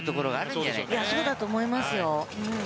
そうだと思いますよ。